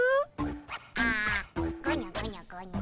あごにょごにょごにょ。